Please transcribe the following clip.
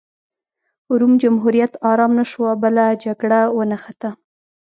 روم جمهوریت ارام نه شو او بله جګړه ونښته